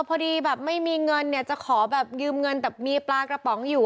พอดีแบบไม่มีเงินเนี่ยจะขอแบบยืมเงินแต่มีปลากระป๋องอยู่